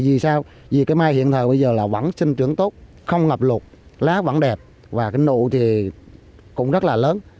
vì sao vì cái mai hiện thời bây giờ là vẫn sinh trưởng tốt không ngập lụt lá vẫn đẹp và cái nụ thì cũng rất là lớn